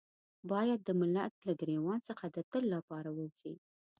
بايد د ملت له ګرېوان څخه د تل لپاره ووځي.